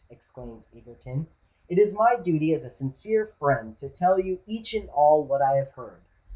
exclaimed Egerton: "it is my duty as a sincere friend to tell you each and all what I have heard.